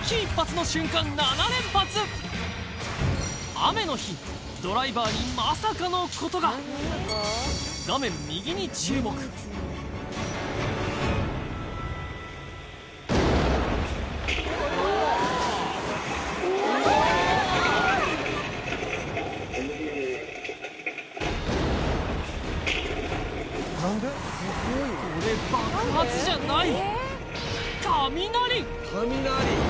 雨の日ドライバーにまさかのことがこれ爆発じゃない！